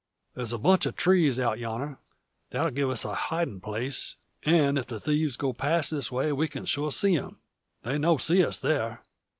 There's a bunch of trees out yonner, that'll give us a hidin' place; an' if the thieves go past this way, we sure see 'em. They no see us there."